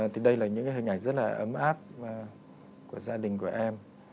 thì đây là những cái hình ảnh rất là ấm áp của gia đình của em